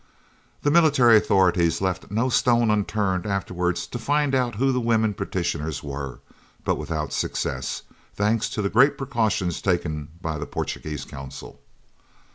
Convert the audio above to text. The military authorities left no stone unturned afterwards to find out who the women petitioners were, but without success, thanks to the great precautions taken by the Portuguese Consul.